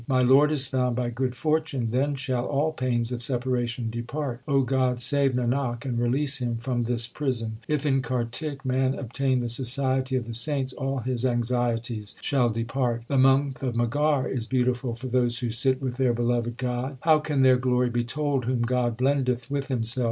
My Lord is found by good fortune ; then shall all pains of separation depart. O God, save Nanak, and release him from this prison. If in Kartik man obtain the society of the saints all his anxieties shall depart. The month of Maghar is beautiful for those who sit with their beloved God. How can their glory be told whom God blendeth with Himself